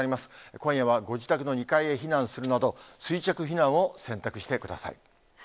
今夜はご自宅の２階へ避難するなど、垂直避難を選択してください。